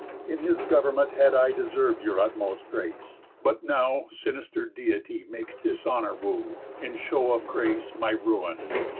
In his government Had I deserv'd your utmost grace, but now Sinister Deity makes dishonour woo, In show of grace, my ruin.